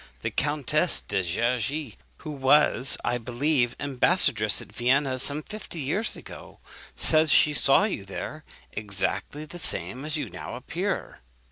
The Countess de Gergy, who was, I believe, ambassadress at Vienna some fifty years ago, says she saw you there, exactly the same as you now appear.'